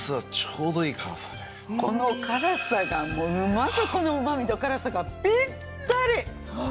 この辛さがもうまずこのうまみと辛さがピッタリ！